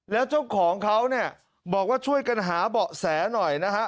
แล้วเจ้าของเขาเนี่ยบอกว่าช่วยกันหาเบาะแสหน่อยนะฮะ